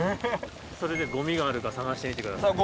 それでゴミがあるか探してみてください。